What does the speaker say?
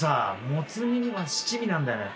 もつ煮には七味なんだよね。